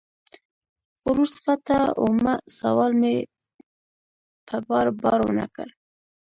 غرور صفته ومه سوال مې په بار، بار ونه کړ